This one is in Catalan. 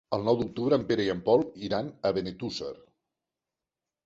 El nou d'octubre en Pere i en Pol iran a Benetússer.